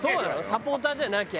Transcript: サポーターじゃなきゃ？